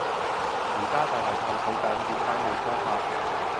而家就係探討緊點解冇拖拍